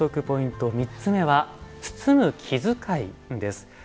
ポイント３つ目は、包む気づかいです。